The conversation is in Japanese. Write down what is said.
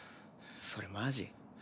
それマジ？